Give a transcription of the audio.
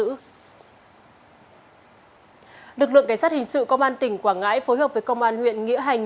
lực lượng cảnh sát hình sự công an tỉnh quảng ngãi phối hợp với công an huyện nghĩa hành